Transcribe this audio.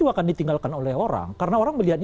akan ditinggalkan oleh orang karena orang melihatnya